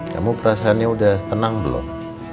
kamu perasaannya udah tenang belum